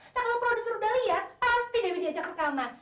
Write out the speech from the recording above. nah kalau produser udah lihat pasti dewi diajak rekaman